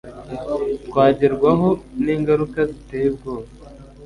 twagerwaho n'ingaruka ziteye ubwoba